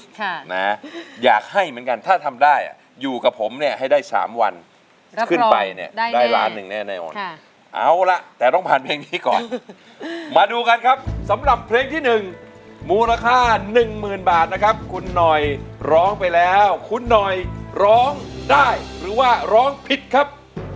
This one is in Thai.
ค่ะนะอยากให้เหมือนกันถ้าทำได้อ่ะอยู่กับผมเนี่ยให้ได้สามวันขึ้นไปเนี่ยได้ล้านหนึ่งแน่นอนค่ะเอาล่ะแต่ต้องผ่านเพลงนี้ก่อนมาดูกันครับสำหรับเพลงที่หนึ่งมูลค่าหนึ่งหมื่นบาทนะครับคุณหน่อยร้องไปแล้วคุณหน่อยร้องได้หรือว่าร้องผิดครับ